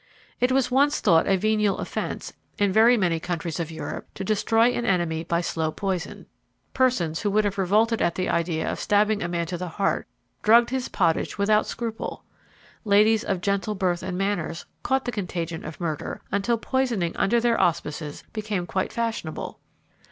It was once thought a venial offence, in very many countries of Europe, to destroy an enemy by slow poison. Persons who would have revolted at the idea of stabbing a man to the heart, drugged his pottage without scruple. Ladies of gentle birth and manners caught the contagion of murder, until poisoning, under their auspices, became quite fashionable.